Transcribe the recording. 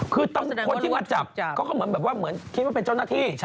คือต้องคนที่มาจับก็เหมือนคิดว่าเป็นเจ้าหน้าที่